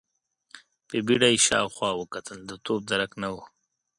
په بيړه يې شاوخوا وکتل، د توپ درک نه و.